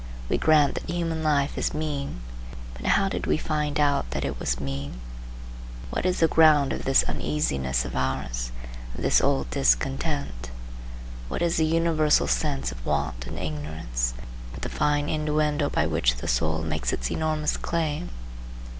We grant that human life is mean, but how did we find out that it was mean? What is the ground of this uneasiness of ours; of this old discontent? What is the universal sense of want and ignorance, but the fine innuendo by which the soul makes its enormous claim?